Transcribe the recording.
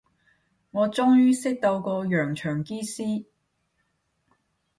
我終於識到個洋腸機師